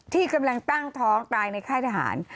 ที่กำลังตั้งท้องตายในค่ายทหาร